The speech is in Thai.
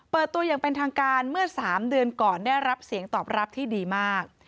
เปิดตัวอย่างเป็นทางการเมื่อ๓เดือนก่อนได้รับเสียงตอบรับที่ดีมาก